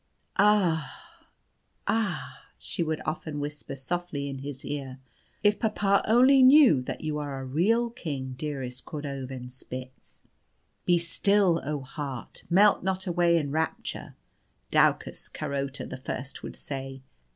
"Ah, ah!" she would often whisper softly in his ear, "if papa only knew that you are a real king, dearest Cordovanspitz!" "Be still, oh heart! Melt not away in rapture," Daucus Carota the First would say.